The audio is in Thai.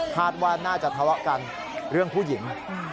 คาดว่าน่าจะทะเลาะกันเรื่องผู้หญิง